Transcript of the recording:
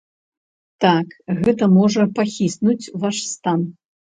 Так, гэта можа пахіснуць ваш стан.